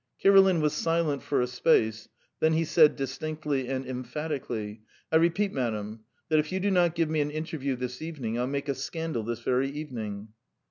Kirilin was silent for a space, then he said distinctly and emphatically: "I repeat, madam, that if you do not give me an interview this evening, I'll make a scandal this very evening."